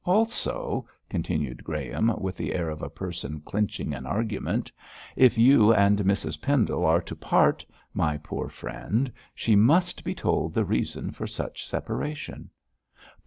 Also,' continued Graham, with the air of a person clinching an argument, 'if you and Mrs Pendle are to part, my poor friend, she must be told the reason for such separation.'